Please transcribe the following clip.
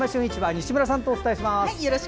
西村さんとお伝えします。